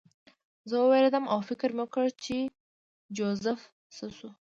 زه ووېرېدم او فکر مې وکړ چې جوزف څه شو